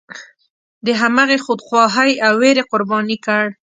د همغې خودخواهۍ او ویرې قرباني کړ.